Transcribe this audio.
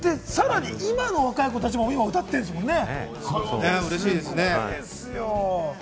さらに今の若い子たちも今歌ってますもんね。